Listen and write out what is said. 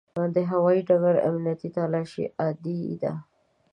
د هوایي ډګر امنیتي تلاشي عادي ده.